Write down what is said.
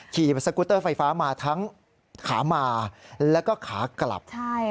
สกุตเตอร์ไฟฟ้ามาทั้งขามาแล้วก็ขากลับ